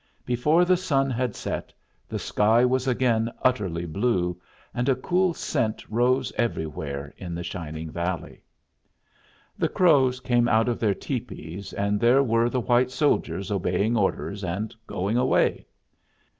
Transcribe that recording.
Before the sun had set, the sky was again utterly blue, and a cool scent rose everywhere in the shining valley. The Crows came out of their tepees, and there were the white soldiers obeying orders and going away.